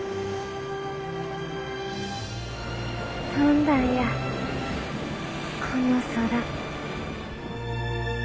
飛んだんやこの空。